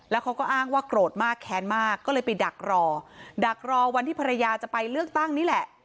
แล้วเขาก็อ้างว่าโกรธมากแค้นมากก็เลยไปดักรอดักรอวันที่ภรรยาจะไปเลือกตั้งนี่แหละ